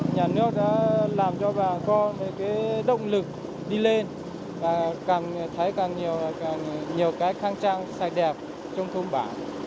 nhà nước đã làm cho bà con cái động lực đi lên và thấy càng nhiều cái khăn trang sạch đẹp trong thôn bã